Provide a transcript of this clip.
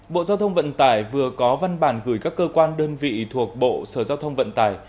bộ giao thông vận tải vừa có văn bản gửi các cơ quan đơn vị thuộc bộ sở giao thông vận tải